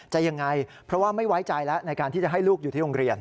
ยังไงเพราะว่าไม่ไว้ใจแล้วในการที่จะให้ลูกอยู่ที่โรงเรียน